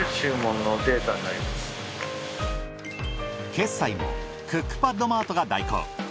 決済もクックパッドマートが代行。